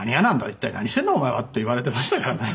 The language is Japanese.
一体何してんだお前は」って言われてましたからね。